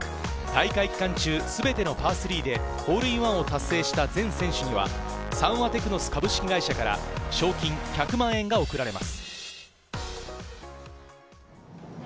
大会期間中、全てのパー３でホールインワンを達成した全選手にはサンワテクノス株式会社から賞金１００万円が贈られます。